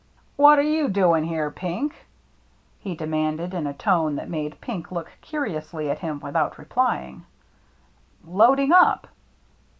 "What are you doing there, Pink?" he demanded, in a tone that made Pink look curiously at him before replying. " Loadin' up."